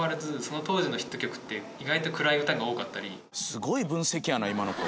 すごい分析やな今の子。